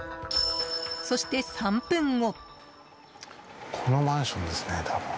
そして、３分後。